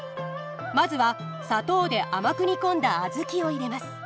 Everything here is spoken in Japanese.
まずは砂糖で甘く煮込んだ小豆を入れます。